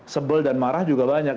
sebel dan marah juga banyak